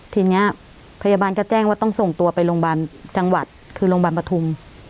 ทีนี้พยาบาลก็แจ้งว่าต้องส่งตัวไปโรงพยาบาลจังหวัดคือโรงพยาบาลปฐุม